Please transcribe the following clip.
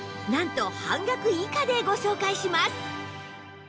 なんと半額以下でご紹介します